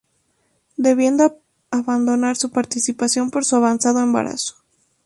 Debiendo abandonar su participación por su avanzado embarazo.